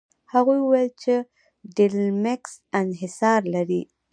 هغوی وویل چې ټیلمکس انحصار لري.